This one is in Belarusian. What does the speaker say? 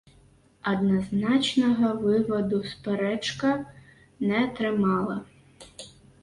Адназначнага вываду спрэчка не атрымала.